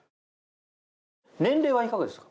年齢はいかがですか？